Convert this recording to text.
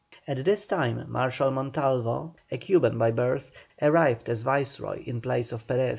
At this time Marshal Montalvo, a Cuban by birth, arrived as Viceroy in place of Perez.